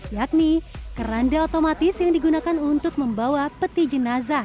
yakni keranda otomatis yang digunakan untuk membawa peti jenazah